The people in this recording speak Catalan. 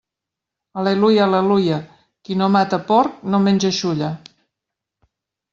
Al·leluia, al·leluia, qui no mata porc no menja xulla.